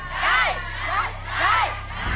ได้ครับ